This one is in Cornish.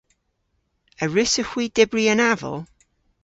A wrussowgh hwi dybri an aval?